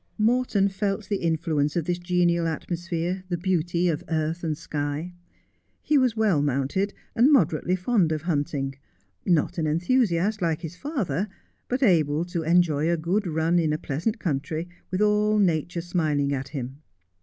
Morton felt the influence of this genial atmosphere, the beauty of earth and sky. He was well mounted, and moderately fond of hunting — not an enthusiast like his father, but able to enjoy a good run in a pleasant country, with all nature smiling at him.